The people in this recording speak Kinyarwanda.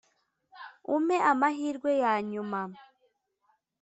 umpe amahirwe ya nyuma